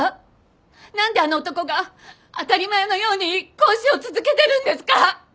何であの男が当たり前のように講師を続けてるんですか？